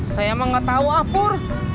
saya emang gak tau ah pur